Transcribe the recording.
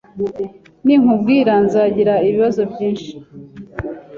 Ninkubwira, nzagira ibibazo byinshi